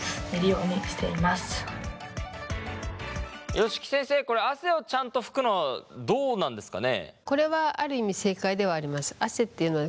吉木先生これ汗をちゃんと拭くのどうなんですかね？